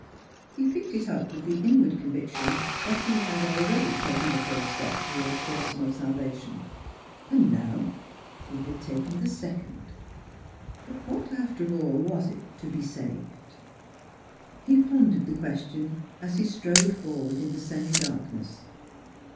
He picked it up, with the inward conviction that he had al ready taken the first step toward personal salva tion. ... And now he had taken the second. ... But what, after all, was it to be " saved "? He pondered the question as he strode forward in the semi darkness.